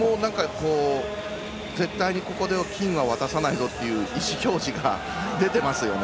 絶対にここでは金は渡さないぞという意思表示が出てますよね。